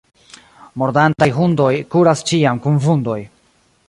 Mordantaj hundoj kuras ĉiam kun vundoj.